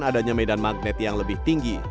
adanya medan magnet yang lebih tinggi